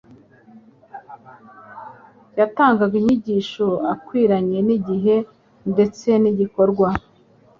Yatangaga inyigisho ikwiranye n'igihe ndetse n'igikorwa.